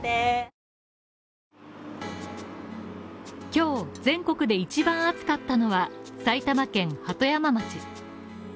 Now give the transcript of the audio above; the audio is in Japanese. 今日、全国で一番暑かったのは埼玉県鳩山町。